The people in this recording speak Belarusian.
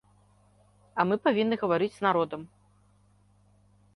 А мы павінны гаварыць з народам.